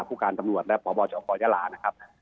ผู้การสำนวนและผอบจรภญาลา